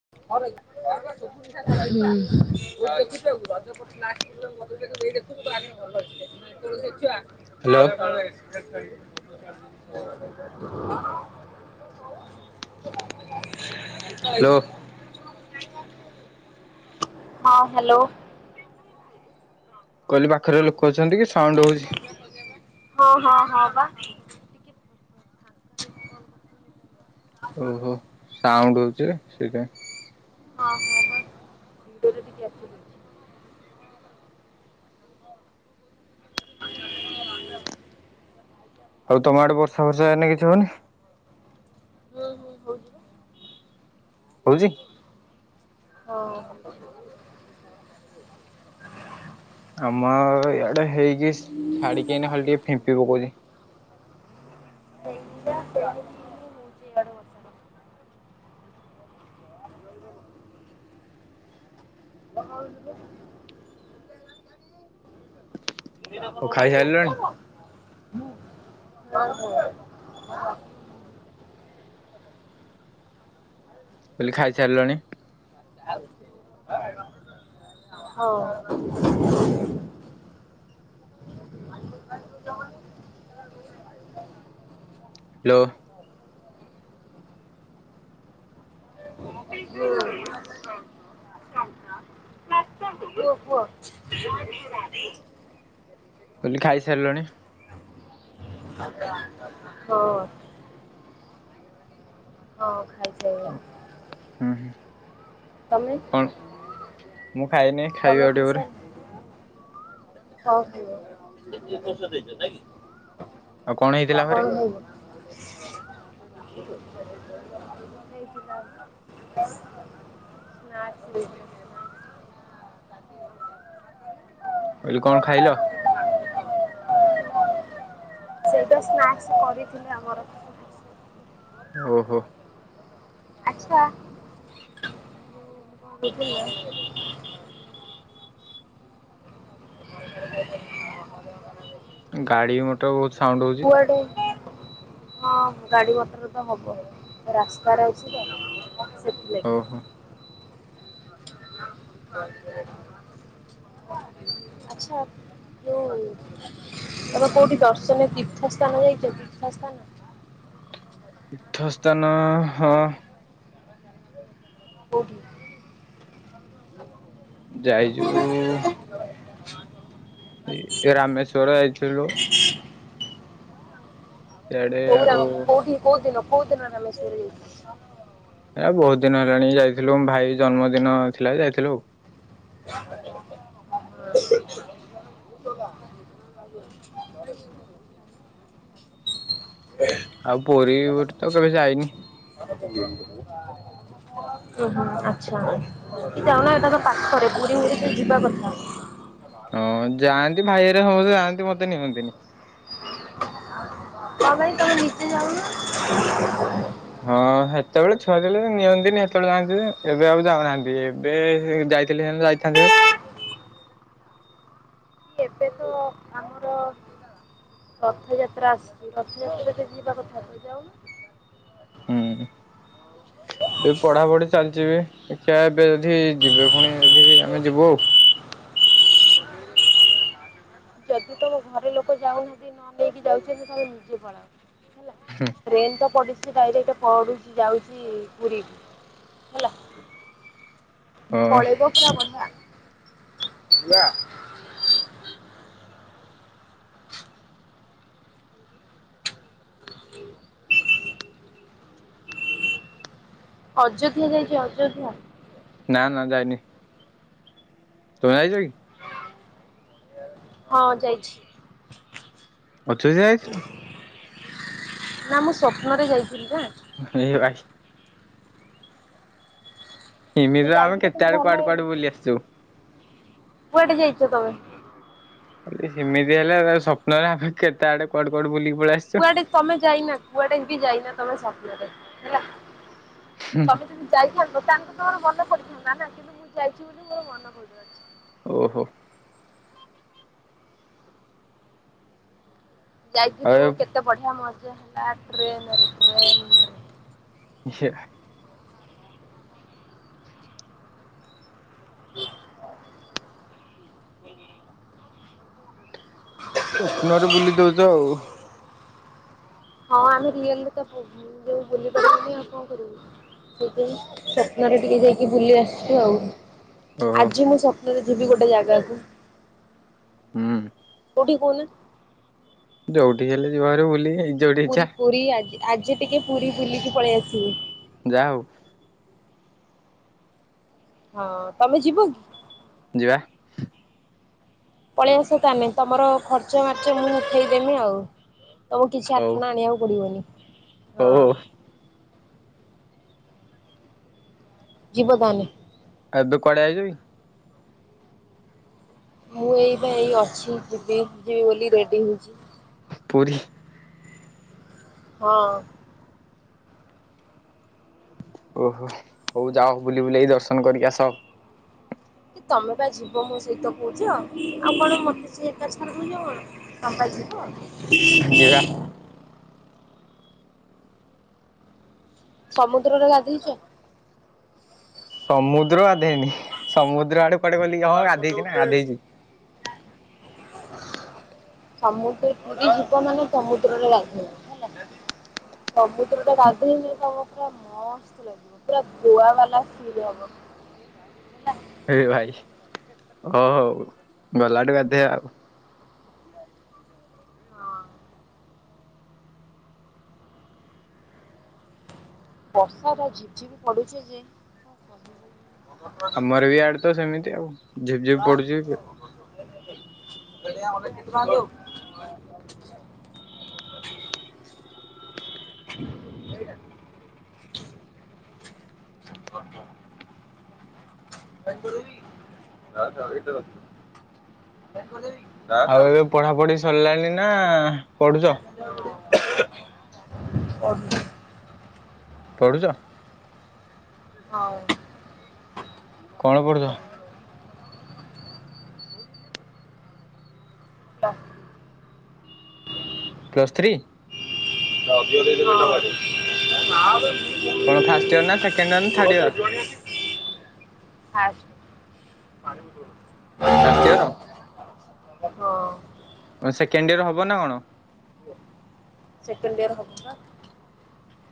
[unintelligible] ବ ଭଲ ଲାଗିଛି। Hello [unintelligible] [unintelligible] I. ହ୍ୟାଲୋ [unintelligible] ହଁ ହ୍ୟାଲୋ। କହିଲି ପାଖରେ ଲୋକ ଅଛନ୍ତି କି ସାଉଣ୍ଡ ହଉଛି? [unintelligible] ଓହୋ ସାଉଣ୍ଡ ହଉଛି। ସେଇଟା। ହଁ ହଁ ମୁ ଖଣ୍ଡ ବି୍ୟାଛି। [unintelligible] ଆଉ ତମ ଆଡେ ବର୍ଷା ବର୍ଷା ଏଇନେ କିଛି ହଉନି? ହୁଁ ହୁଁ ହଉଛି। ହଉଛି? ହଉ ଆମ ଇଆଡେ ହେଇକି ଛାଡିକି ଖାଲି ଟିକେ ଫିମ୍ପି ପକଉଛି। ନୂଚି ଏଡ ଭଷଣ [unintelligible] ବା [unintelligible] ଦିନପ ଆଉ ନ ନାଇ ଖାଇସାରିଲଣି ଦଉଥିଲା ତ [unintelligible] ହଁ ହ ହ [unintelligible] ଇଲି ଖାଇ ସାରିଲଣି । [unintelligible] ହାଲୋ । [unintelligible] କଇଲି ଖାଇ ସାରିଲଣି । ହଁ । ହଁ । ଖାଇ ସାଇଲିଣି ହୁଁ ହୁଁ । ତମେ କଣ ମୁଁ ଖାଇନି ଖାଇବି ତମେ ଆଉ ଟିକେ ପରେ ଖାଇସାରିଲନି । ହଉ କୁଅ। କଣ ଆଉ କଣ ହେଇଥିଲା ଘରେ? ଖାଇଲ । [unintelligible] ନାଚ କଇଲୀ କଣ ଖାଇଲ? ସେଇଟା ସ୍ନାକ୍ସ କରିଥିଲେ ଆମର। ଓହୋ । ଆଛା ମୁଁ କଣ କହୁଥିଲି ନା । ଗାଡି ମଟର ବହୁତ ସାଉଣ୍ଡ ହଉଛି କୁଆଡେ । ହଁ ଗାଡ଼ି ମଟର ତ ହବ ରାସ୍ତାରେ ଅଛି ତ । ସେଥିଲାଗି । ଓହୋ। ଆଛା ଯଉ ତମେ କୋଉଠି ଦର୍ଶନିୟ ତୀର୍ଥସ୍ଥାନ ଯାଇଛ ତୀର୍ଥସ୍ଥାନ । ତୀର୍ଥ ସ୍ଥାନ ହଁ । କୋଉଠି। ଯାଇଚୁ । ଏଇ ରାମେଶ୍ଵର ଯାଇଥିଲୁ । ସିଆଡେ କୋଉ ଆଉ ରାମେଶ୍ୱର କୋଉଠୀ କଉଦିନ । କୋଉଦିନ ରାମେଶ୍ୱର ଯାଇଥିଲ? ଏ ବହୁତ ଦିନ ହେଲାଣି ଯାଇଥିଲୁ ଭାଇ ଜନ୍ମଦିନ ଥିଲା ଯାଇଥିଲୁ । ଆଉ ପୁରୀ ଗୋଟେ ତ କେବେ ଯାଇନି । ଉଁ ହୁଁ ଆଚ୍ଛା କଣ ଏଟା ତ ପାଖରେ । ପୁରୀ ମୁରି ଯିବା କଥା । ହଁ ଯାଆନ୍ତି ଭାଇ ହରିକା ସମସ୍ତେ ଯାଆନ୍ତି ମତେ ନିଅନ୍ତିନି । କ ପାଇଁ ତମେ ନିଯେ ଯାଉନ । ହଁ ହେତେବେଳେ ଛୁଆ ଥିଲେ ନିଅନ୍ତିନି ସେତେବେଳେ ଯାଆନ୍ତି ଏବେ ଆଉ ଯାଉନାହାନ୍ତି ଏବେ ଯାଇଥିଲେ ସେ ଯାଇଥାନ୍ତି ଭାରି । କି ଏବେ ତ ଆମର ରଥଯାତ୍ରା ଆସୁଛି ରଥଯାତ୍ରା ରେ ତ ଯିବା କଥା ଯାଉନ । ହୁଁ । ଏବେ ପଢାପଢି ଚାଲିଛି ବି। ଦେଖିବା ଏବେ ଯଦି ଯିବେ ପୁଣି ଯଦି ଆମେ ଯିବୁ ଆଉ। ଯଦି ତମ ଘରେ ଲୋକ ଯାଉନାହାତି, ନ ନେଇକି ଯାଉଛନ୍ତି! ତାହେଲେ ନିଜେ ପଳାଅ । ହେଲା, ଟ୍ରେନ ତ ପଡ଼ିଚି। ସେ ଡାଇରେକ୍ଟ ପଡ଼ୁଛି, ଯାଉଛି ପୁରୀରୁ ହେଲା। ହଁ ପଳେଇବ ପୁରା ବଢିଆ। [inaudible] ଅଯୋଧ୍ୟା ଯାଇଛି ଅଯୋଧ୍ୟା? ନା, ନା ଯାଇନି। ତୁମେ ଆଇଯ କି? ହଁ ଯାଇଛି। ଅଜୋଜ୍ୟା ଯାଇଥିଲୂ? ନା, ମୁଁ ସ୍ୱପ୍ନରେ ଯାଇଥିଲି ନା। ଏ ଭାଇ। ମୁଁ ଏମିତି ଆମେ ଯାଇଥିଲି କେତେ କିନ୍ତୁ ଆଡୁ ଭଲ କୁଆଡୁ ହେଇନି କୁଆଡୁ ବୁଲି ଆସିଛୁ । କୁଆଡେ ଯାଇଛ ତମେ? ଯଦି ସିମିତି ହେଲା, ତା ସ୍ୱପ୍ନରେ ଆମେ କେତେ ଆଡେ କୁଆଡୁ କୁଆଡୁ ବୁଲିବୁ । କୁଆଡେ ତମେ ଯାଇନା? କୁଆଡେ ବି ଯାଇନ? ତମ ସପ୍ନରେ ହେଲା । ତମେ ଯଦି ଯାଇଥାନ୍ତ! ତାଙ୍କୁ ତ ମୋର ମନ ପଡିିଥାନ୍ତା। ନା କିନ୍ତୁ, ମୁଁ ଯାଇଛି ବୋଲି ମୋର ମନେ ପଡୁନାହିଁ। ଓହୋ! ଯାଇଥିଲୁ। ଆଉ କେତେ ବଢିଆ ମ ଇଏ ହେଲା ଟ୍ରେନରେ ଟ୍ରେନରେ । ଇହେ। ସ୍ୱପ୍ନରେ ବୁଲି ଦଉଚ ଆଉ । ହଁ ଆମେ ରିଅଲରେ ତ ଯୋଉ ବୁଲି ପାରିବୁନି ଆଉ କଣ କରିବୁ? ସେଇଥିଆଇଁ ସ୍ୱପ୍ନରେ ଟିକେ ଯାଇକି ବୁଲି ଆସିଛୁ ଆଉ। ଓହୋ ଆଜି ମୁଁ ସକ ରେ ଯିବି ଗୋଟେ ଯାଗାକୁ। ହୁଁ। କଉଠିକି କହୁନା? ଯଉଠିକି ହେଲେ ଯିବଭାରି ବୁଲିଁ । ପୁରୀ ପୁରୀ ଆଜି । ଆଜି ଟିକେ ପୁରୀ ବୁଲିକି ପଳେଇ ଆସିବି। ଯା ହଉ। ହଁ ତମେ ଯିବ କି? ଯିବା। ପଳେଇ ଆସ ତାମେ, ତମର ଖର୍ଚ୍ଚ ମାର୍ଚ୍ଚ ମୁଁ ଉଠେଇଦେମି ଆଉ । ତମକୁ କିଛି ହଉ ଆଠଣା ଆଣିବାକୁ ପଡିବନି ହଉ । ହଉ ହଁ। ଜୀବଦାନେ। ଏବେ କୁଆଡେ ଆଇଚ କି? ମୁଁ ଏଇପା ଏଇ ଅଶ୍ୱିନୀ ଯିବି । ଯିବି ବୋଲି ରେଡି ହଉଛି। ପୁରୀ। ହଁ। ଓହୋ ହଉ ଯାଅ, ବୁଲି ବୁଲେଇ ଦର୍ଶନ କରିକି ଆସ। କି ତମେ ପା ଯିବ ମୋ ସହିତ କହୁଛ ଆଉ କଣ ମତେ ସେ ଏକା ଛାଡ଼ିଯିବ କଣ ତମେ ପା ଯିବ? ଯିବା [inaudible] ସମୁଦ୍ରରେ ଗାଧେଇଛ? ସମୁଦ୍ର ଗାଧେଇନି ସମୁଦ୍ର ଆଡେ [unintelligible] ଗଲି ହଁ ଗାଧେଇଛି ନା ଗାଧେଇଛି । ସମୁଦ୍ର କୂଳକୁ ଯିବ ମାନେ ସମୁଦ୍ରରେ ଗାଧୋଇବ ହେଲା । ସମୁଦ୍ରରେ ଗାଧୋଇଲେ ପୁରା ମସ୍ତ ଲାଗିବ ପୁରା ଧୁଆ ବାଲା ଫିଲ ହବ ହେଲା। ଏ ଭାଇ ହଉ ଗଲାଠୁ ଗାଧେଇବା ଆଉ। ହଁ ବର୍ଷାଟା ଝିପ୍ ଝିପ୍ ପଡୁଛି ଯେ କଣ ଆମର ବି ଆଡେ ତ ସେମିତି ଆଉ। ଝିପ ଝିପି ପଡୁଛି। ନ୍ତୁ [unintelligible] ସେ [unintelligible] ବଙ୍କଙ୍କ [unintelligible] ଆଉ ଏବେ ପଢା ପଢି ସରିଲାଣି। ନା ପଢୁଛ ହ [unintelligible] ଅ [unintelligible] ପଢୁଛ। ହଉ। କଣ କରୁଛ? ହ [unintelligible] ପ୍ଲସ୍ ଥ୍ରୀ। ହ ଗଟଡ [unintelligible] କଣ ଫାଷ୍ଟ ଇୟର ନା ସେକେଣ୍ଡ ଇୟର ନା ଥାଡ ଇୟର? ପାଣିମ୍ପୁର [unintelligible] first year. ହଁ ସେକେଣ୍ଡ ଇୟର ହବ ନା କଣ ସେକେଣ୍ଡ ଇୟର ହବ।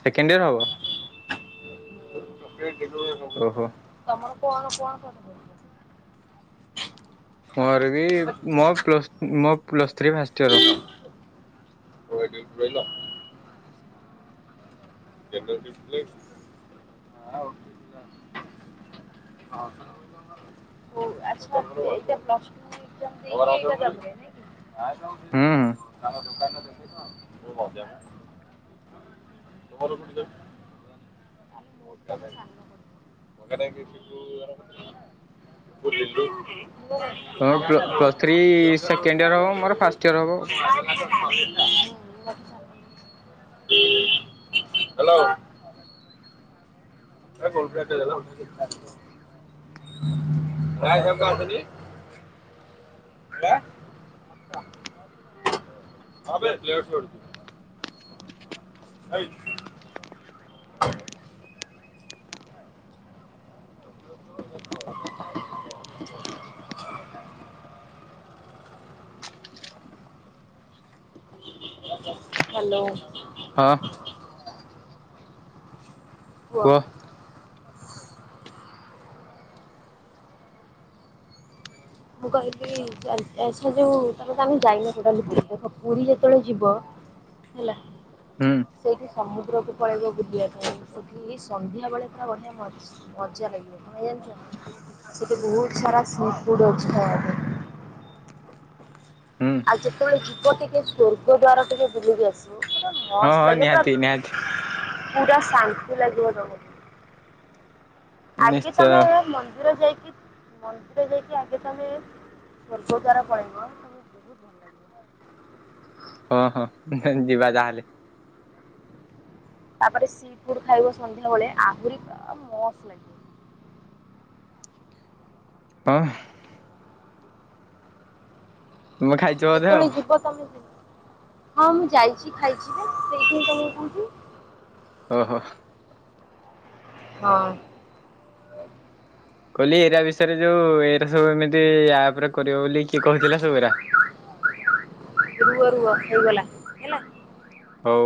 ସେକେଣ୍ଡ ଇୟର ହବ। ଚ [unintelligible] ଓହୋ। ଆମର କଣ ଫଣ କ। ମୋର ବି ମୋ ପ୍ଲସ ମ ପ୍ଲସ। Three first year. [unintelligible] ହୁଁ ହୁଁ। [inaudible] [inaudible] ତମର ପ୍ଲ ପ୍ଲସ୍ ଥ୍ରୀ ସେକେଣ୍ଡ ଇୟର ହବ [inaudible] ମୋର ଫାଷ୍ଟ ଇୟର ହବ। [inaudible] ହାଲୋ। [inaudible] [inaudible] ହାଲୋ। ହଁ କୁହ। ମୁଁ କହିଲି ଏସା ଯୋଉ ତାପ ତ ଆମେ ଯାଇନ ଟୋଟାଲି, ପୁରୀ ଦେଖ ପୁରୀ ଯେତେବେଳେ ଯିବ ହେଲା ହୁଁ ସେଇଠି ସମୁ ଦ୍ର କୂଳକୁ ପଳାଇବ ବୁଲିବା ପାଇଁ ସେଠି ସନ୍ଧ୍ୟାବେଳେ ପୁରା ବଢ଼ିଆ ମଜା ଲାଗିବ କଣ ଜାଣିଚ ନା ସେଇଠି ବହୁତ ସାରା ସିଫୁଡ୍ ଅଛି। [inaudible] ହୁଁ ଆଉ ଯେତେବେଳେ ଯିବ ଟିକେ ସର୍ଗ ଦ୍ଵାର ଟିକେ ବୁଲିକି ଆସିବ। ପୁରା ହଁ ହଁ ମସ୍ତ ଲାଗେ। ନିହାତି ପୁ ନିହାତି। ପୁରା ଶାନ୍ତି ଲାଗିବ ତମକୁ। ଆଗେ ନିଶ୍ଚୟ ତମେ ମନ୍ଦିର ଯାଇକି ମନ୍ଦିର ଯାଇକି ଆଗେ ତମେ ସ୍ୱର୍ଗ ଦ୍ଵାର ପଳେଇବ। ତମ ବହୁତ ଭଲ ଲାଗିବ। ହଁ ହଁ ନାଇ ଯିବା ଯାହାହେଲେ। ତାପରେ ସି ଫୁଡ ଖାଇବ ସନ୍ଧ୍ୟାବେଳେ ଆହୁରି ମସ୍ ଲାଗିବ। ହ। ତୁମେ ଖାଇଚ ବୋଧେ ଆଉ। ଯେତେବେଳେ ଯିବ ତମେ ହଁ ମୁଁ ଯାଇଚି, ଖାଇଚି ବା ସେଇଥିପାଇଁ ତମକୁ କହୁଚି। ଓ ହୋ। ହଁ। କହିଲି ଏରା ବିଷୟରେ ଜଉ ଏରା ସବୁ ଏମିତି ଆପରେ କରିବ ବୋଲି କିଏ କହୁଥିଲା ସେଗୁରା? ହଉଗଲା ହେଲା। ହଉ।